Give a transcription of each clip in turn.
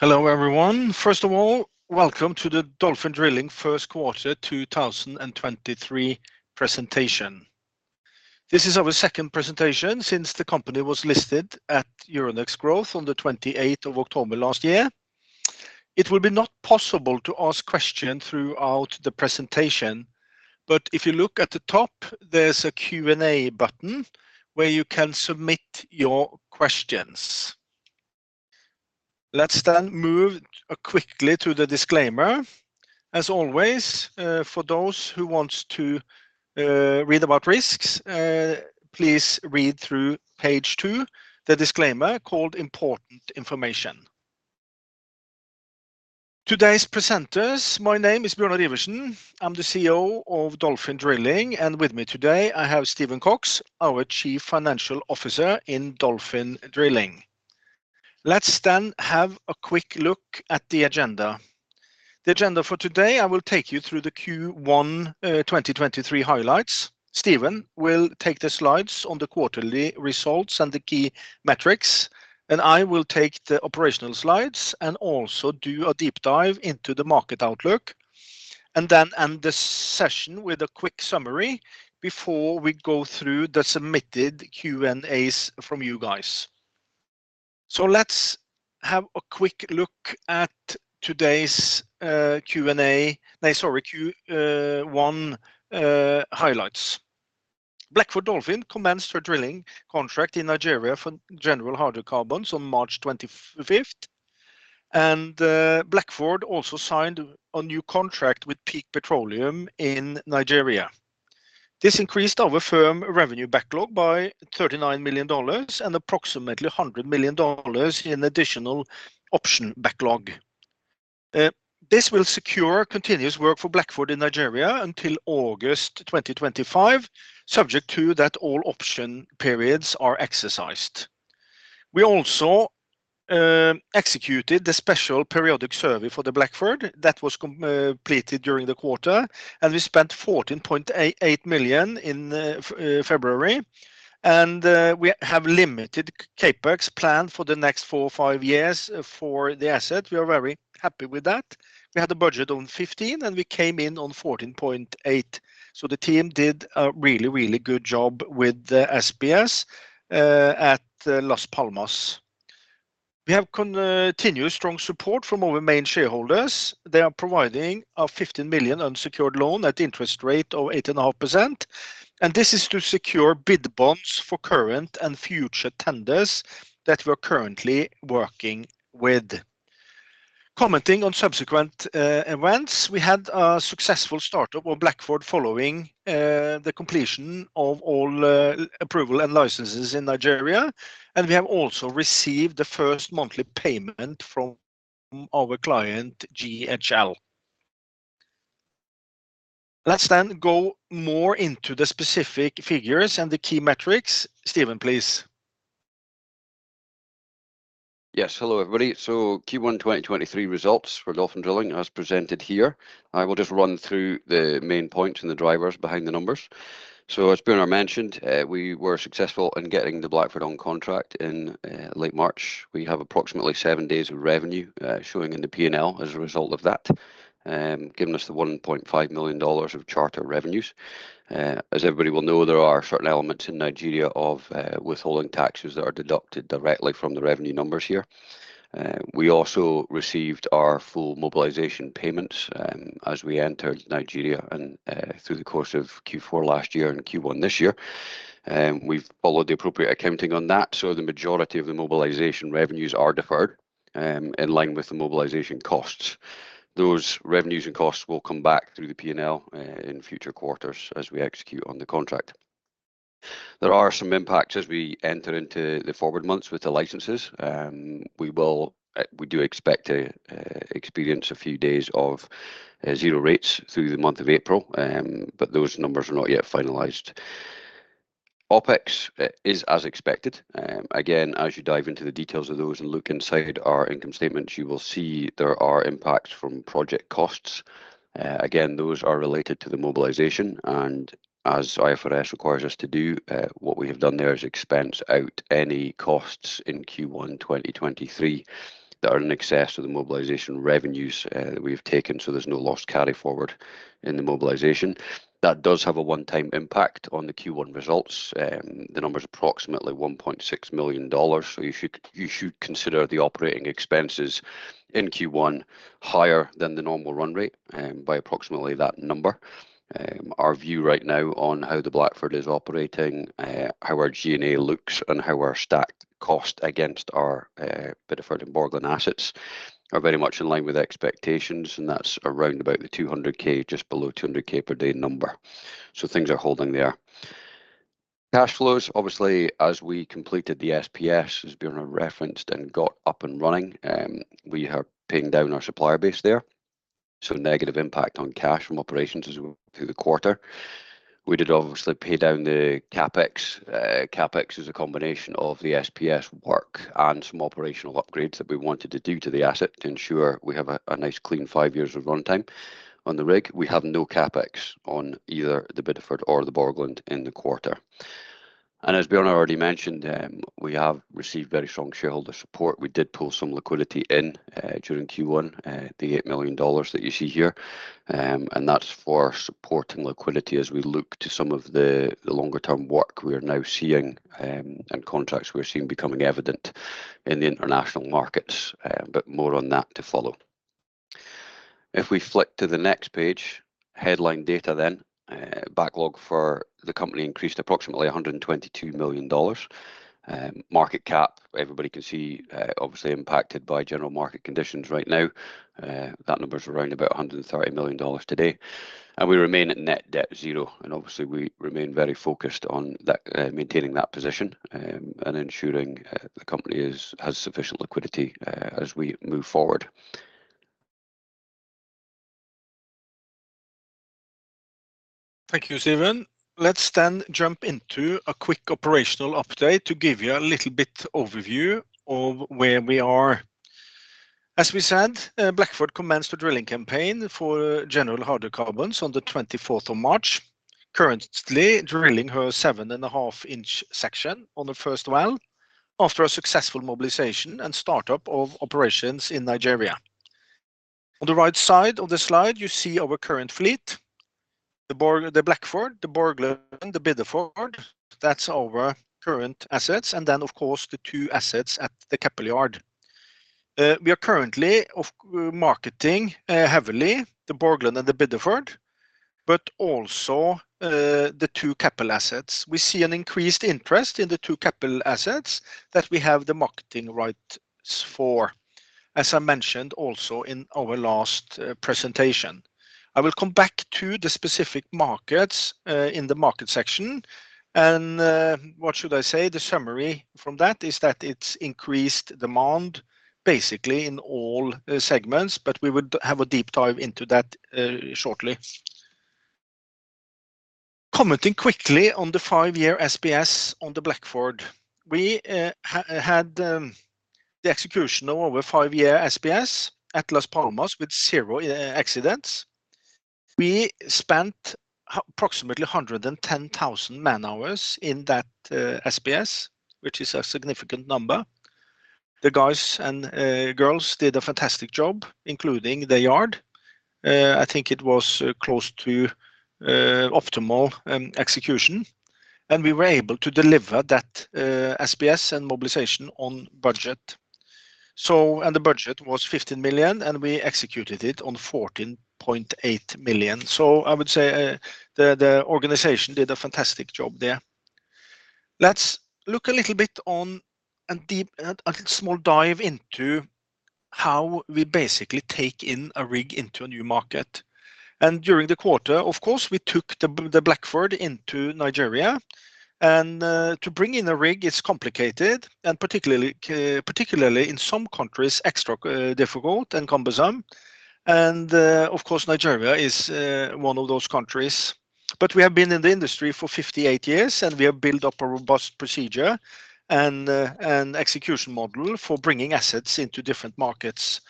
Hello, everyone. First of all, welcome to the Dolphin Drilling First Quarter 2023 Presentation. This is our second presentation since the company was listed at Euronext Growth on the 28th of October last year. It will be not possible to ask questions throughout the presentation, but if you look at the top, there's a Q&A button where you can submit your questions. Let's move quickly to the disclaimer. As always, for those who wants to read about risks, please read through page two, the disclaimer called Important Information. Today's presenters. My name is Bjørnar Iversen. I'm the CEO of Dolphin Drilling, and with me today, I have Stephen Cox, our Chief Financial Officer in Dolphin Drilling. Let's have a quick look at the agenda. The agenda for today, I will take you through the Q1 2023 highlights. Stephen will take the slides on the quarterly results and the key metrics. I will take the operational slides and also do a deep dive into the market outlook. Then end this session with a quick summary before we go through the submitted Q&As from you guys. Let's have a quick look at today's Q&A, sorry, Q1 highlights. Blackford Dolphin commenced her drilling contract in Nigeria for General Hydrocarbons on March 25th. Blackford also signed a new contract with Peak Petroleum in Nigeria. This increased our firm revenue backlog by $39 million and approximately $100 million in additional option backlog. This will secure continuous work for Blackford in Nigeria until August 2025, subject to that all option periods are exercised. We also executed the Special Periodic Survey for the Blackford that was completed during the quarter, we spent $14.88 million in February. We have limited CapEx plan for the next four or five years for the asset. We are very happy with that. We had a budget on $15 million, and we came in on $14.8 million. The team did a really, really good job with the SPS at Las Palmas. We have continued strong support from our main shareholders. They are providing a $15 million unsecured loan at interest rate of 8.5%. This is to secure bid bonds for current and future tenders that we're currently working with. Commenting on subsequent events, we had a successful startup on Blackford following the completion of all approval and licenses in Nigeria, and we have also received the first monthly payment from our client, GHL. Let's go more into the specific figures and the key metrics. Stephen, please. Yes. Hello, everybody. Q1 2023 results for Dolphin Drilling as presented here. I will just run through the main points and the drivers behind the numbers. As Bjørnar mentioned, we were successful in getting the Blackford on contract in late March. We have approximately seven days of revenue showing in the P&L as a result of that, giving us the $1.5 million of charter revenues. As everybody will know, there are certain elements in Nigeria of withholding taxes that are deducted directly from the revenue numbers here. We also received our full mobilization payments as we entered Nigeria and through the course of Q4 last year and Q1 this year. We've followed the appropriate accounting on that, so the majority of the mobilization revenues are deferred, in line with the mobilization costs. Those revenues and costs will come back through the P&L in future quarters as we execute on the contract. There are some impacts as we enter into the forward months with the licenses. We do expect to experience a few days of zero rates through the month of April, but those numbers are not yet finalized. OpEx is as expected. Again, as you dive into the details of those and look inside our income statements, you will see there are impacts from project costs. Again, those are related to the mobilization, as IFRS requires us to do, what we have done there is expense out any costs in Q1 2023 that are in excess of the mobilization revenues that we have taken, there's no loss carry forward in the mobilization. That does have a one-time impact on the Q1 results. The number is approximately $1.6 million, so you should consider the OpEx in Q1 higher than the normal run rate by approximately that number. Our view right now on how the Blackford is operating, how our G&A looks, and how we're stacked cost against our Bideford and Borgland assets are very much in line with expectations, that's around about the $200K, just below $200K per day number. Things are holding there. Cash flows, obviously, as we completed the SPS, as Bjørnar referenced, and got up and running, we are paying down our supplier base there, so negative impact on cash from operations as we go through the quarter. We did obviously pay down the CapEx. CapEx is a combination of the SPS work and some operational upgrades that we wanted to do to the asset to ensure we have a nice clean five years of runtime. On the rig, we have no CapEx on either the Bideford or the Borgland in the quarter. As Bjorn already mentioned, we have received very strong shareholder support. We did pull some liquidity in during Q1, the $8 million that you see here. That's for supporting liquidity as we look to some of the longer term work we are now seeing and contracts we're seeing becoming evident in the international markets. More on that to follow. If we flick to the next page, headline data then. Backlog for the company increased approximately $122 million. Market cap, everybody can see, obviously impacted by general market conditions right now. That number's around about $130 million today. We remain at net debt zero. Obviously we remain very focused on that, maintaining that position, and ensuring the company has sufficient liquidity as we move forward. Thank you, Stephen. Let's jump into a quick operational update to give you a little bit overview of where we are. As we said, Blackford commenced a drilling campaign for General Hydrocarbons Limited on the 24th of March, currently drilling her 7.5 inch section on the first well after a successful mobilization and startup of operations in Nigeria. On the right side of the slide, you see our current fleet. The Blackford, the Borgland Dolphin, the Bideford Dolphin, that's our current assets, of course, the two assets at the Keppel yard. We are currently marketing heavily the Borgland Dolphin and the Bideford Dolphin, also the two Keppel assets. We see an increased interest in the two Keppel assets that we have the marketing rights for, as I mentioned also in our last presentation. I will come back to the specific markets in the market section, and what should I say? The summary from that is that it's increased demand basically in all segments, but we would have a deep dive into that shortly. Commenting quickly on the five-year SPS on the Blackford. We had the execution of over five-year SPS at Las Palmas with 0 accidents. We spent approximately 110,000 man-hours in that SPS, which is a significant number. The guys and girls did a fantastic job, including the yard. I think it was close to optimal execution, and we were able to deliver that SPS and mobilization on budget. The budget was $15 million, and we executed it on $14.8 million. I would say, the organization did a fantastic job there. Let's look a little bit on a deep, a little small dive into how we basically take in a rig into a new market. During the quarter, of course, we took the Blackford into Nigeria, and to bring in a rig, it's complicated, and particularly in some countries, extra difficult and cumbersome. Of course, Nigeria is one of those countries. We have been in the industry for 58 years, and we have built up a robust procedure and an execution model for bringing assets into different markets.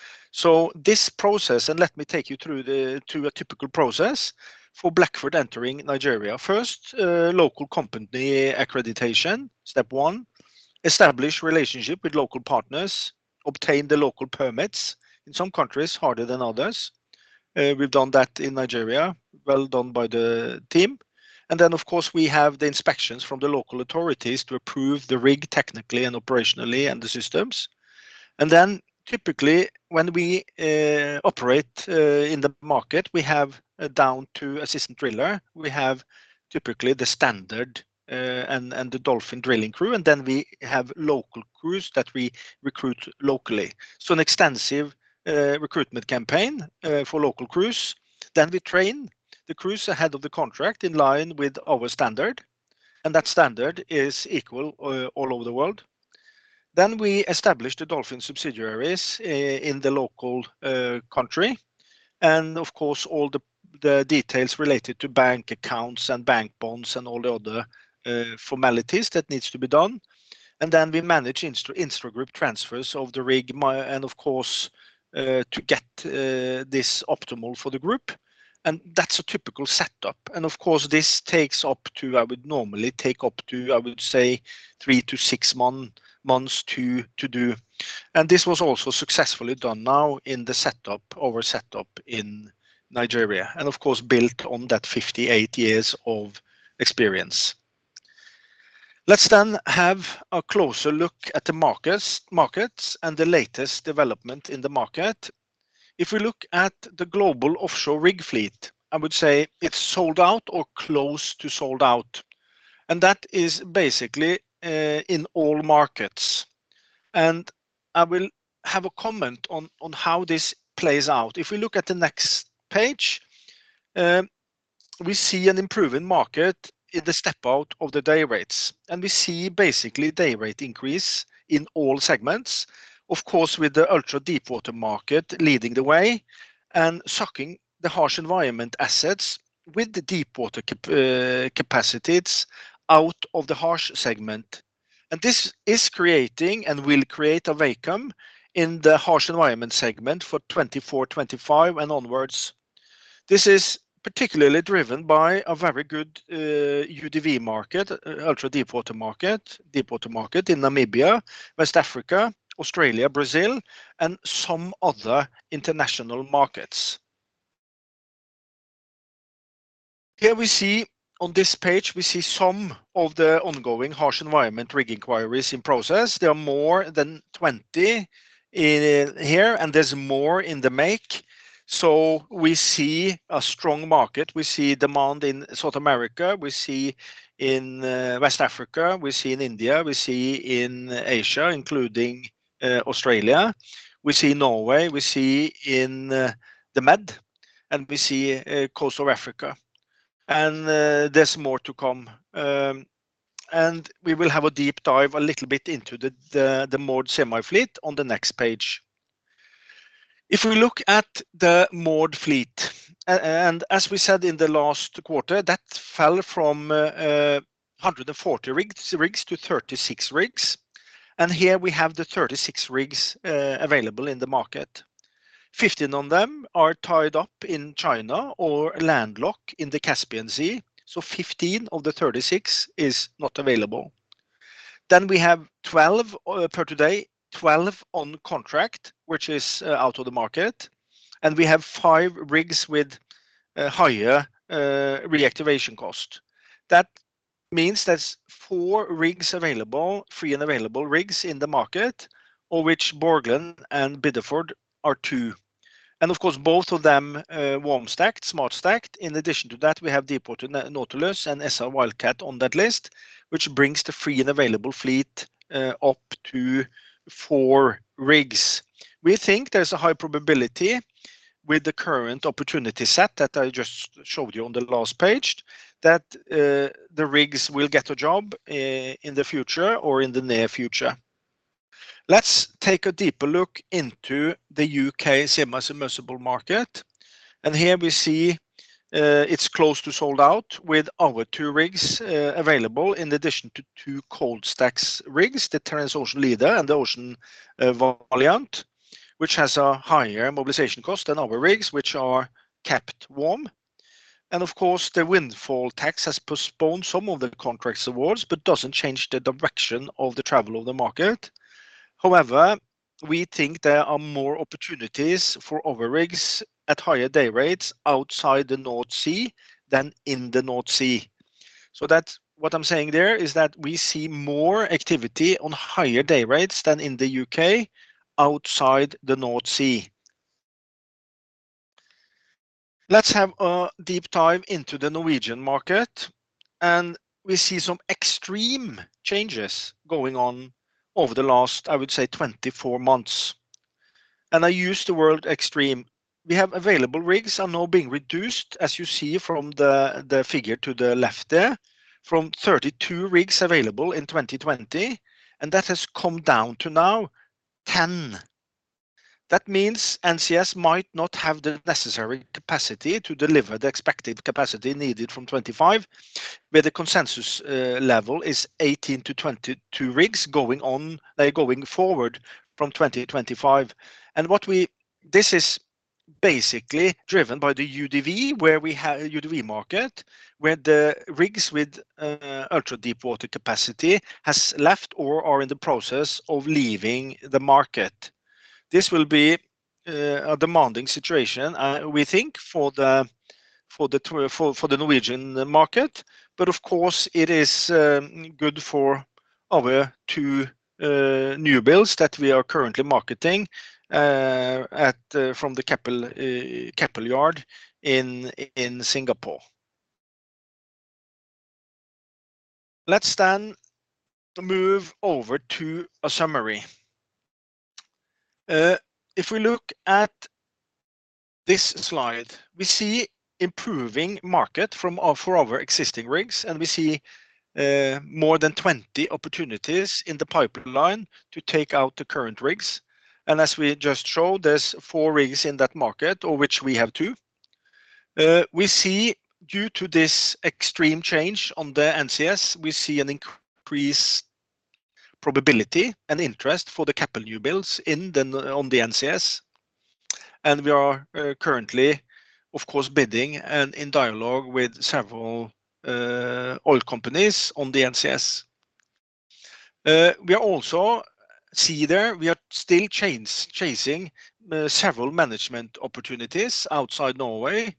This process, and let me take you through a typical process for Blackford entering Nigeria. First, local company accreditation, step one, establish relationship with local partners, obtain the local permits. In some countries, harder than others. We've done that in Nigeria. Well done by the team. Of course, we have the inspections from the local authorities to approve the rig technically and operationally and the systems. Typically, when we operate in the market, we have down to assistant driller. We have typically the standard, and the Dolphin Drilling crew, and then we have local crews that we recruit locally. An extensive recruitment campaign for local crews. We train the crews ahead of the contract in line with our standard, and that standard is equal all over the world. We establish the Dolphin Drilling subsidiaries in the local country, and of course, all the details related to bank accounts and bank bonds and all the other formalities that needs to be done. We manage intragroup transfers of the rig, and of course, to get this optimal for the group. That's a typical setup. Of course, this takes up to, would normally take up to, I would say, 3 to 6 months to do. This was also successfully done now in the setup, our setup in Nigeria, and of course, built on that 58 years of experience. Let's then have a closer look at the markets and the latest development in the market. If we look at the global offshore rig fleet, I would say it's sold out or close to sold out, and that is basically in all markets. I will have a comment on how this plays out. If we look at the next page, we see an improving market in the step out of the day rates, and we see basically day rate increase in all segments, of course, with the ultra-deepwater market leading the way and sucking the harsh environment assets with the deepwater capacities out of the harsh segment. This is creating and will create a vacuum in the harsh environment segment for 2024, 2025 and onwards. This is particularly driven by a very good UDW market, ultra-deepwater market, deepwater market in Namibia, West Africa, Australia, Brazil, and some other international markets. Here we see on this page, we see some of the ongoing harsh environment rig inquiries in process. There are more than 20 in here and there's more in the make. We see a strong market. We see demand in South America, we see in West Africa, we see in India, we see in Asia, including Australia, we see Norway, we see in the Med, and we see coast of Africa. There's more to come. We will have a deep dive a little bit into the moored semi fleet on the next page. If we look at the moored fleet, and as we said in the last quarter, that fell from 140 rigs to 36 rigs. Here we have the 36 rigs available in the market. 15 on them are tied up in China or landlocked in the Caspian Sea. 15 of the 36 is not available. We have 12 per today, 12 on contract, which is out of the market, and we have 5 rigs with a higher reactivation cost. That means there's four rigs available, free and available rigs in the market, of which Borgland and Bideford are two, and of course both of them warm stacked, smart stacked. In addition to that, we have Deepwater Nautilus and Essar Wildcat on that list, which brings the free and available fleet up to four rigs. We think there's a high probability with the current opportunity set that I just showed you on the last page, that the rigs will get a job in the future or in the near future. Let's take a deeper look into the U.K. semi-submersible market. Here we see, it's close to sold out with our two rigs available in addition to two cold stacked rigs, the Transocean Leader and the Ocean Valiant, which has a higher mobilization cost than our rigs, which are kept warm. Of course, the windfall tax has postponed some of the contracts awards, but doesn't change the direction of the travel of the market. However, we think there are more opportunities for our rigs at higher day rates outside the North Sea than in the North Sea. What I'm saying there is that we see more activity on higher day rates than in the U.K. outside the North Sea. Let's have a deep dive into the Norwegian market, and we see some extreme changes going on over the last, I would say, 24 months. I use the word extreme. We have available rigs are now being reduced, as you see from the figure to the left there from 32 rigs available in 2020, and that has come down to now 10. That means NCS might not have the necessary capacity to deliver the expected capacity needed from 2025, where the consensus level is 18-22 rigs going on, going forward from 2025. This is basically driven by the UDW market, where the rigs with ultra-deepwater capacity has left or are in the process of leaving the market. This will be a demanding situation, we think for the Norwegian market, but of course it is good for our two new builds that we are currently marketing at from the Keppel yard in Singapore. Let's move over to a summary. If we look at this slide, we see improving market for our existing rigs, and we see more than 20 opportunities in the pipeline to take out the current rigs. As we just showed, there's four rigs in that market of which we have two. We see due to this extreme change on the NCS, we see an increased probability and interest for the Keppel new builds on the NCS. We are currently, of course, bidding and in dialogue with several oil companies on the NCS. We also see there we are still chasing several management opportunities outside Norway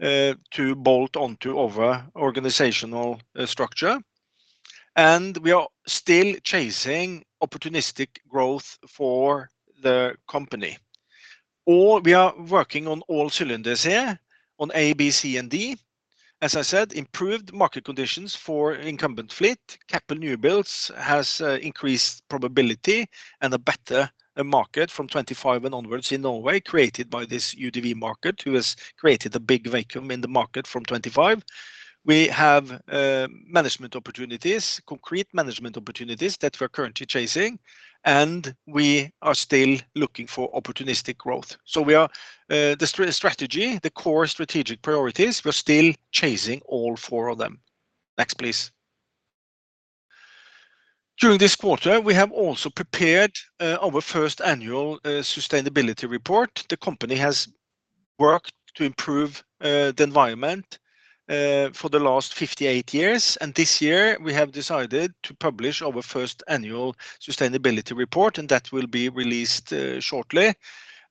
to bolt on to our organizational structure. We are still chasing opportunistic growth for the company. We are working on all cylinders here on A, B, C, and D. As I said, improved market conditions for incumbent fleet. Keppel new builds has increased probability and a better market from 2025 and onwards in Norway created by this UDW market who has created a big vacuum in the market from 2025. We have management opportunities, concrete management opportunities that we're currently chasing, and we are still looking for opportunistic growth. We are the strategy, the core strategic priorities, we're still chasing all four of them. Next, please. During this quarter, we have also prepared our first annual sustainability report. The company has worked to improve the environment for the last 58 years, and this year we have decided to publish our first annual sustainability report, and that will be released shortly.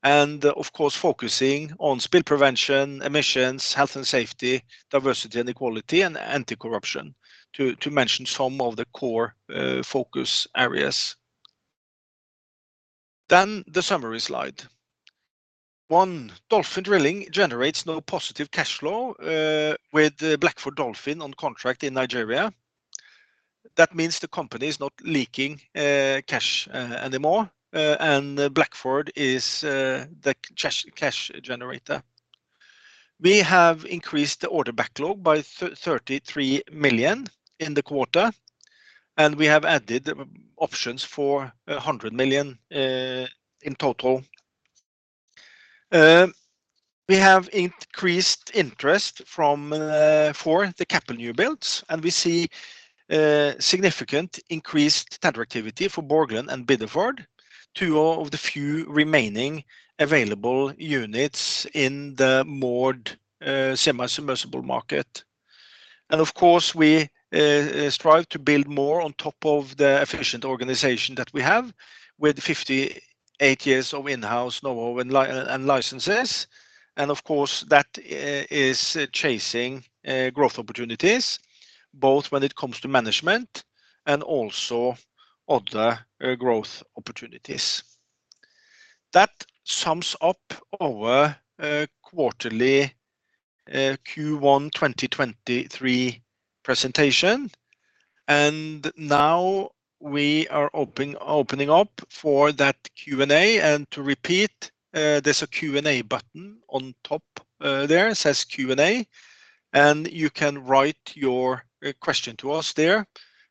Of course, focusing on spill prevention, emissions, health and safety, diversity and equality, and anti-corruption, to mention some of the core focus areas. The summary slide. One, Dolphin Drilling generates net positive cash flow with the Blackford Dolphin on contract in Nigeria. That means the company is not leaking cash anymore, and Blackford is the cash generator. We have increased the order backlog by $33 million in the quarter, and we have added options for $100 million in total. We have increased interest from for the Keppel new builds. We see significant increased tender activity for Borgland and Bideford, two of the few remaining available units in the moored semi-submersible market. Of course, we strive to build more on top of the efficient organization that we have with 58 years of in-house knowhow and licenses. Of course that is chasing growth opportunities both when it comes to management and also other growth opportunities. That sums up our quarterly Q1 2023 presentation. Now we are opening up for that Q&A. To repeat, there's a Q&A button on top there. It says Q&A. You can write your question to us there.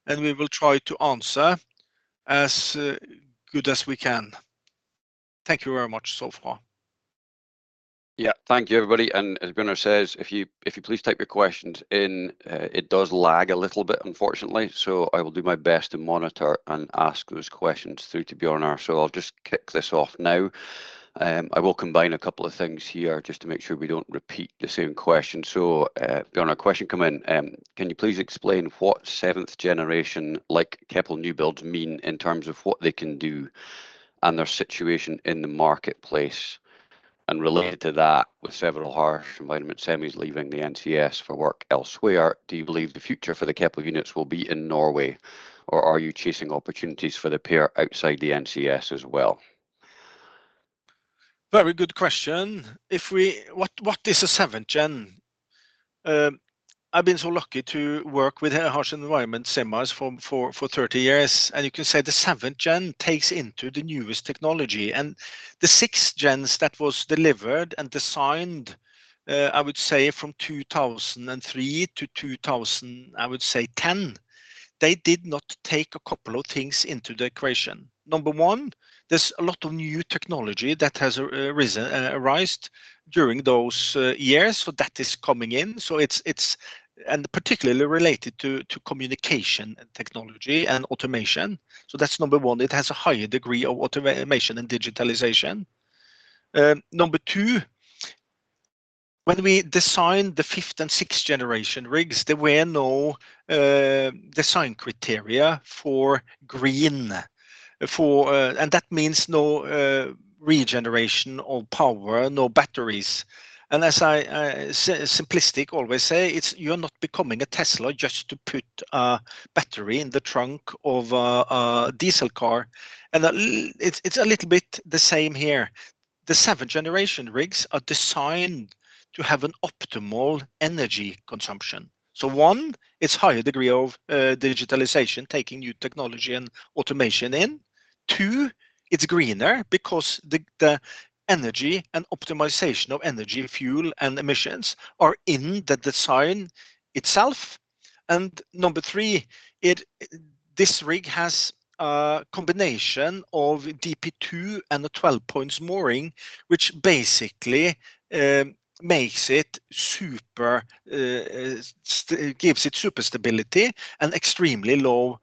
We will try to answer as good as we can. Thank you very much so far. Yeah. Thank you, everybody. As Bjørnar says, if you please type your questions in, it does lag a little bit, unfortunately, so I will do my best to monitor and ask those questions through to Bjørnar. I'll just kick this off now. I will combine a couple of things here just to make sure we don't repeat the same question. Bjørnar, a question come in. Can you please explain what seventh generation, like Keppel new builds mean in terms of what they can do and their situation in the marketplace? Related to that, with several harsh environment semis leaving the NCS for work elsewhere, do you believe the future for the Keppel units will be in Norway, or are you chasing opportunities for the pair outside the NCS as well? Very good question. What is a seventh gen? I've been so lucky to work with harsh environment semis for 30 years, you can say the seventh gen takes into the newest technology and the sixth gens that was delivered and designed, I would say from 2003 to 2010, they did not take a couple of things into the equation. Number one, there's a lot of new technology that has arised during those years, that is coming in. It's particularly related to communication and technology and automation. That's Number one. It has a higher degree of automation and digitalization. Number two, when we designed the fifth and sixth generation rigs, there were no design criteria for green, for... That means no regeneration of power, no batteries. As I simplistic always say, it's you're not becoming a Tesla just to put a battery in the trunk of a diesel car, it's a little bit the same here. The seventh generation rigs are designed to have an optimal energy consumption. One, it's higher degree of digitalization, taking new technology and automation in. Two, it's greener because the energy and optimization of energy, fuel, and emissions are in the design itself. Number three, it, this rig has a combination of DP2 and the 12-point mooring, which basically makes it super gives it super stability and extremely low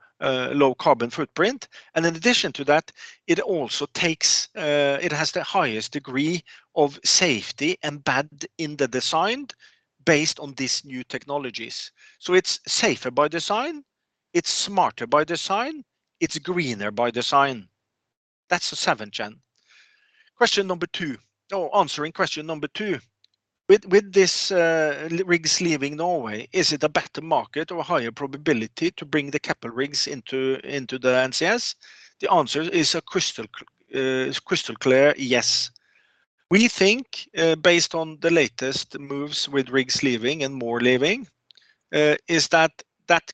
carbon footprint. In addition to that, it also takes... It has the highest degree of safety embedded in the design based on these new technologies. It's safer by design, it's smarter by design, it's greener by design. That's the seventh gen. Question number two. Answering question number two. With this, rigs leaving Norway, is it a better market or higher probability to bring the Keppel rigs into the NCS? The answer is a crystal clear yes. We think, based on the latest moves with rigs leaving and more leaving, is that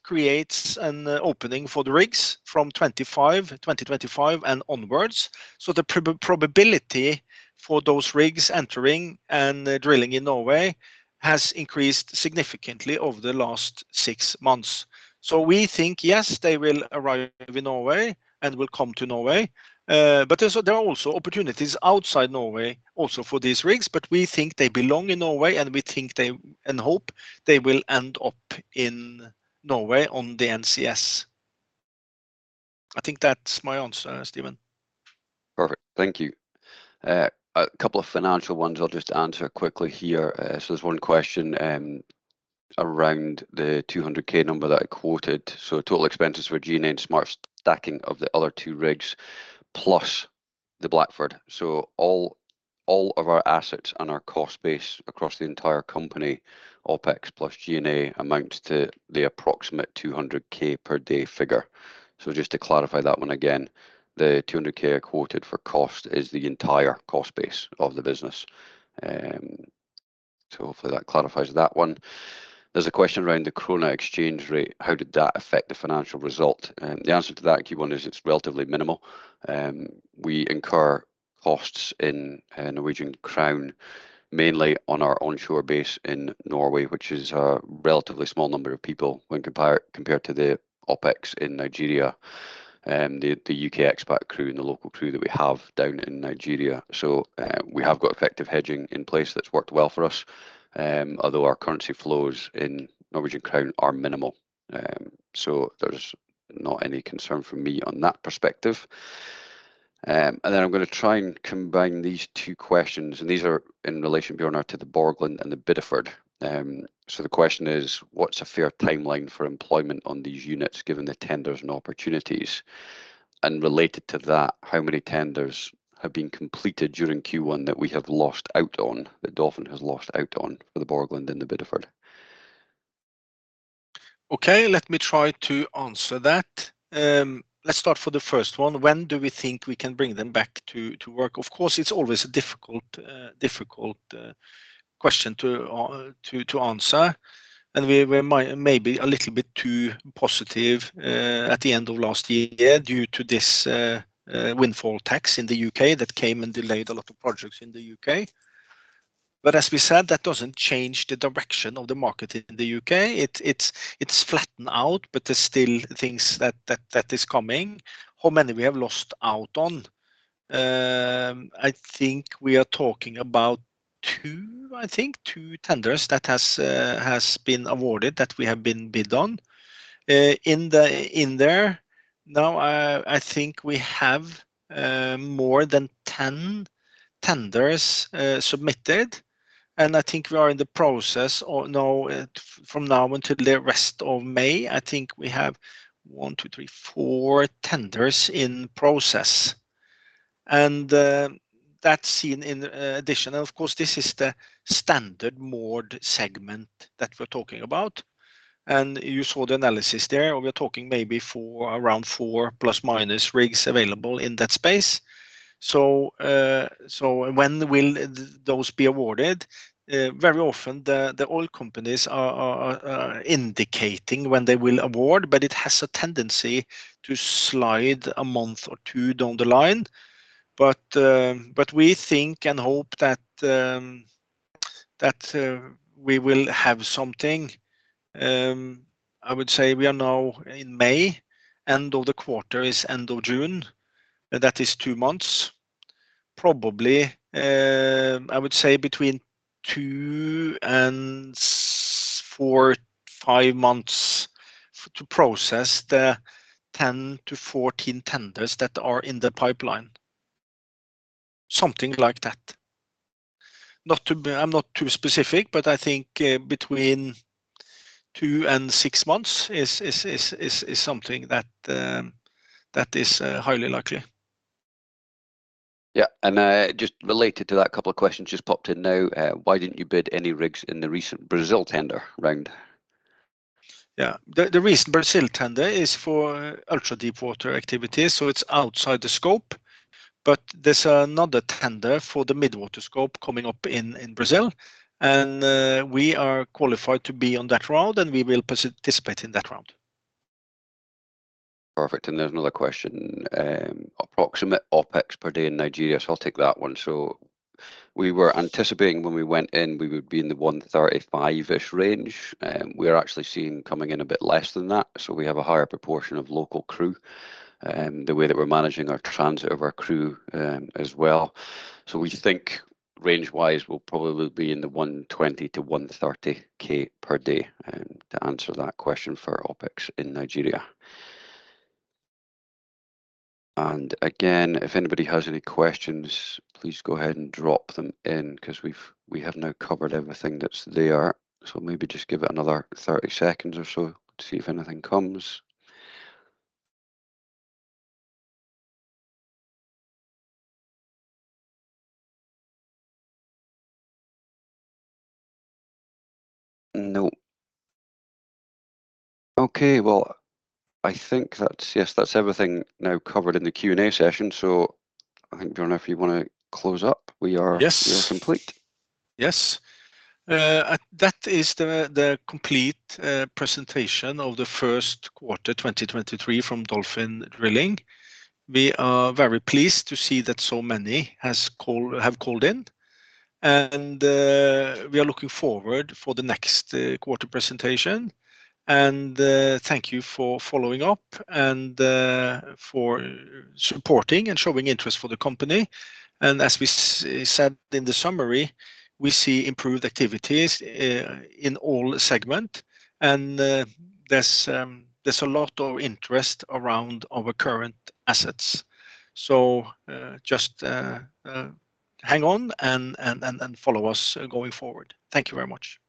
creates an opening for the rigs from 2025 and onwards. The probability for those rigs entering and drilling in Norway has increased significantly over the last six months. We think, yes, they will arrive in Norway and will come to Norway. There are also opportunities outside Norway also for these rigs, but we think they belong in Norway, and we think they, and hope they will end up in Norway on the NCS. I think that's my answer, Stephen. Perfect. Thank you. A couple of financial ones I'll just answer quickly here. There's one question around the $200K number that I quoted. Total expenses for G&A and smart stacking of the other two rigs plus the Blackford. All of our assets and our cost base across the entire company, OpEx plus G&A amounts to the approximate $200K per day figure. Just to clarify that one again, the $200K I quoted for cost is the entire cost base of the business. Hopefully that clarifies that one. There's a question around the krone exchange rate. How did that affect the financial result? The answer to that key one is it's relatively minimal. We incur costs in Norwegian krone mainly on our onshore base in Norway, which is a relatively small number of people when compared to the OpEx in Nigeria. The U.K. expat crew and the local crew that we have down in Nigeria. We have got effective hedging in place that's worked well for us. Although our currency flows in Norwegian krone are minimal. There's not any concern from me on that perspective. I'm gonna try and combine these two questions, and these are in relation, Bjørnar, to the Borgland and the Bideford. The question is, what's a fair timeline for employment on these units given the tenders and opportunities? Related to that, how many tenders have been completed during Q1 that we have lost out on, that Dolphin has lost out on for the Borgland and the Bideford? Okay, let me try to answer that. Let's start for the first one. When do we think we can bring them back to work? Of course, it's always a difficult question to answer. We, maybe a little bit too positive at the end of last year due to this windfall tax in the U.K. that came and delayed a lot of projects in the U.K. As we said, that doesn't change the direction of the market in the U.K. It's flattened out, there's still things that is coming. How many we have lost out on? I think we are talking about two, I think two tenders that has been awarded that we have been bid on. In the, in there now, I think we have more than 10 tenders submitted, and I think we are in the process or no, from now until the rest of May, I think we have one, two, three, four tenders in process. That's seen in addition. Of course, this is the standard moored segment that we're talking about. You saw the analysis there. We're talking maybe four, around four plus minus rigs available in that space. When will those be awarded? Very often the oil companies are indicating when they will award, but it has a tendency to slide a month or two down the line. We think and hope that we will have something. I would say we are now in May. End of the quarter is end of June. That is two months. Probably, I would say between two and four, five months to process the 10 to 14 tenders that are in the pipeline. Something like that. I'm not too specific, but I think, between two and six months is something that is highly likely. Yeah. Just related to that, couple of questions just popped in now. Why didn't you bid any rigs in the recent Brazil tender round? Yeah. The recent Brazil tender is for ultra-deepwater activities. It's outside the scope. There's another tender for the mid-water scope coming up in Brazil. We are qualified to be on that round, and we will participate in that round. Perfect. There's another question. Approximate OpEx per day in Nigeria, I'll take that one. We were anticipating when we went in, we would be in the $135-ish range. We're actually seeing coming in a bit less than that. We have a higher proportion of local crew, the way that we're managing our transit of our crew, as well. We think range-wise, we'll probably be in the $120K-$130K per day to answer that question for OpEx in Nigeria. Again, if anybody has any questions, please go ahead and drop them in because we have now covered everything that's there. Maybe just give it another 30 seconds or so to see if anything comes. No. Okay. Well, I think that's everything now covered in the Q&A session. I think, Bjørnar, if you wanna close up. Yes. We are complete. Yes. That is the complete presentation of the first quarter 2023 from Dolphin Drilling. We are very pleased to see that so many have called in. We are looking forward for the next quarter presentation. Thank you for following up and for supporting and showing interest for the company. As we said in the summary, we see improved activities in all segment. There's a lot of interest around our current assets. Just hang on and follow us going forward. Thank you very much.